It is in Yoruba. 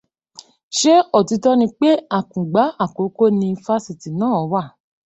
Ṣé òtítọ́ ni pé Àkùngbá Àkókó ni fásitì náà wà